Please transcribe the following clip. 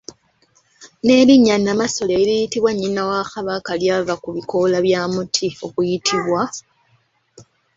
N'erinnya Nnamasole eriyitibwa nnyina wa Kabaka lyava ku bikoola bya muti oguyitibwa.